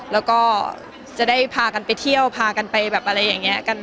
แล้วก็จะได้พากันไปเที่ยวพากันไปนะคะ